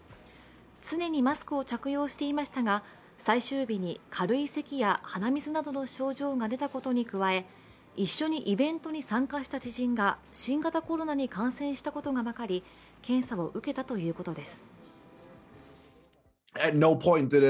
常にマスクを着用していましたが、最終日に軽いせきや鼻水などの症状が出たことに加え一緒にイベントに参加した知人が新型コロナに感染したことが分かり検査を受けたということです。